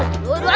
aduh hati ya